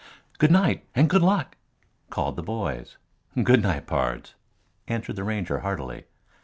"Good night and good luck!" called the boys. "Good night, pards," answered the Ranger heartily.